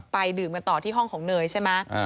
ดื่มกันต่อที่ห้องของเนยใช่ไหม